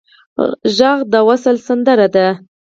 غږ د وصل سندره ده